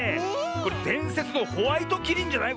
これでんせつのホワイトキリンじゃない？